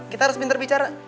kita harus pintar bicara